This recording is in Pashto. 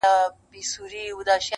د اهریمن د اولادونو زانګو-